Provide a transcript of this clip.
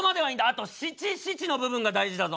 あと七・七の部分が大事だぞ。